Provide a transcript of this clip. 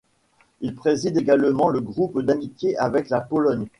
Il préside également le groupe d'amitiés avec la Pologne.